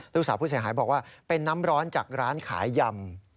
ลูกสาวผู้เสียหายบอกว่าเป็นน้ำร้อนจากร้านขายยำ